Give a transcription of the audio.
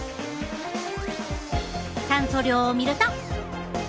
酸素量を見ると。